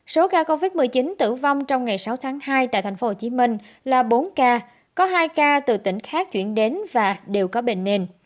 số ca covid một mươi chín tử vong trong ngày sáu tháng hai tại tp hcm là bốn ca có hai ca từ tỉnh khác chuyển đến và đều có bệnh nền